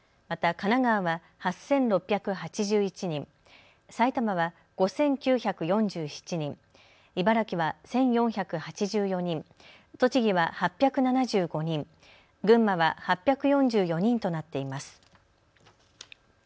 また、神奈川は８６８１人、埼玉は５９４７人、茨城は１４８４人、栃木は８７５人、群馬は８４４人となっています。